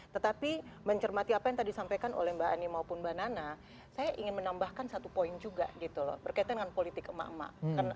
tetapi mencermati apa yang tadi disampaikan oleh mbak ani maupun mbak nana saya ingin menambahkan satu poin juga gitu loh berkaitan dengan politik emak emak